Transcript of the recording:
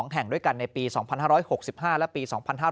แห่งด้วยกันในปี๒๕๖๕และปี๒๕๕๙